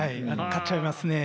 買っちゃいますね。